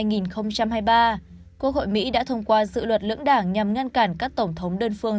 quốc hội mỹ đã thông qua dự luật lưỡng đảng nhằm ngăn cản các tổng thống đơn phương